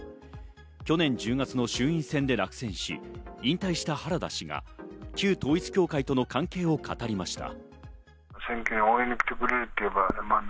去年１０月の衆院選で落選し、引退した原田氏が旧統一教会との関係を語りました。